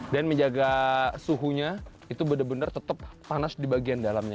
dan menjaga suhunya itu benar benar tetap panas di bagian dalamnya